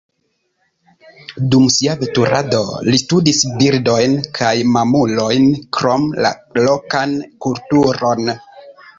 Dum sia veturado li studis birdojn kaj mamulojn krom la lokan kulturon.